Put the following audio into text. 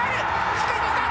しっかり取った！